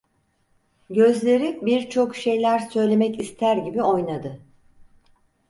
Gözleri birçok şeyler söylemek ister gibi oynadı.